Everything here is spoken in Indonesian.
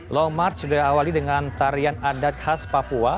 law march sudah awali dengan tarian adat khas papua